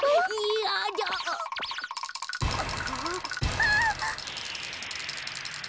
あっ！